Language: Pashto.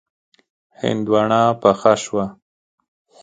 هندواڼه پخه شوه.